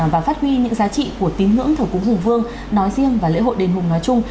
và phát huy những giá trị của tín ngưỡng thờ cúng hùng vương nói riêng và lễ hội đền hùng nói chung